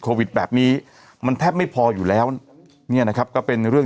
โควิดแบบนี้มันแทบไม่พออยู่แล้วเนี่ยนะครับก็เป็นเรื่อง